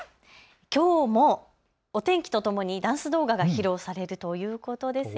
きょうもお天気とともにダンス動画が披露されるということですよ。